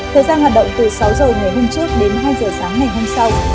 thời gian hoạt động từ sáu h ngày hôm trước đến hai h sáng ngày hôm sau